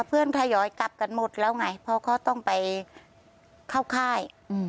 ทยอยกลับกันหมดแล้วไงเพราะเขาต้องไปเข้าค่าย